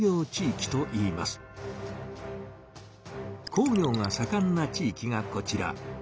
工業がさかんな地域がこちら。